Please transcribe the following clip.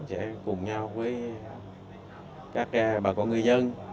sẽ cùng nhau với các bà con người dân